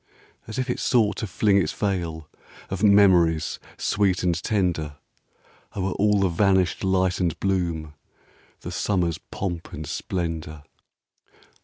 As if it sought to fling its veil Of memories, sweet and tender, O'er all the vanished light and bloom, The summer's pomp and splendor.